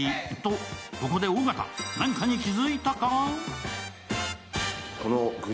ここで尾形、何かに気づいたか？